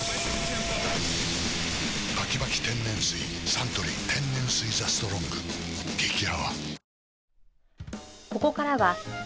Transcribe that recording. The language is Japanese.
サントリー天然水「ＴＨＥＳＴＲＯＮＧ」激泡